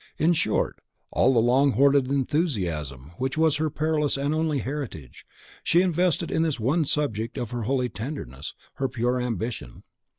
In short, all the long hoarded enthusiasm, which was her perilous and only heritage, she invested in this one object of her holy tenderness, her pure ambition.